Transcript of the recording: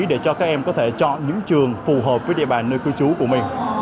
để cho các em có thể chọn những trường phù hợp với địa bàn nơi cư trú của mình